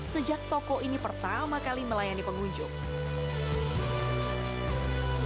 dan juga menggunakan jenis bahan baku yang sama dan juga menggunakan jenis bahan baku yang sama